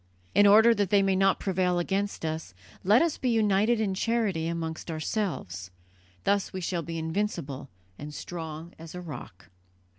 In order that they may not prevail against us, let us be united in charity amongst ourselves; thus we shall be invincible and strong as a rock."